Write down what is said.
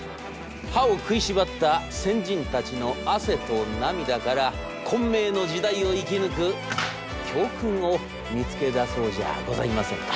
歯を食いしばった先人たちの汗と涙から混迷の時代を生き抜く教訓を見つけ出そうじゃございませんか。